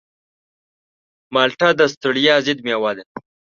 مالټه د ستړیا ضد مېوه ده.